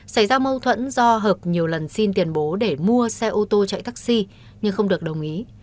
xảy ra mâu thuẫn do hợp nhiều lần xin tiền bố để mua xe ô tô chạy taxi nhưng không được đồng ý